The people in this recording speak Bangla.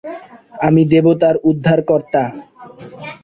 আমি দেবতার উদ্ধারকর্তা।